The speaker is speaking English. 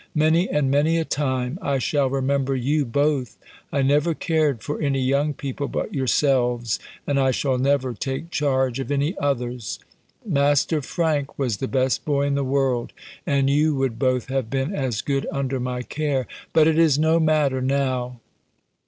Many and many a time I shall remember you both. I never cared for any young people but yourselves, and I shall never take charge of any others. Master Frank was the best boy in the world, and you would both have been as good under my care, but it is no matter now!"